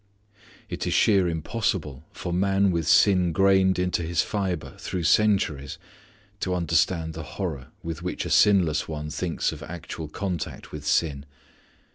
It is sheer impossible for man with sin grained into his fibre through centuries to understand the horror with which a sinless one thinks of actual contact with sin.